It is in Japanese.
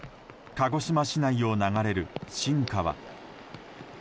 鹿児島市内を流れる新川。